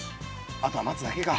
あとは待つだけか。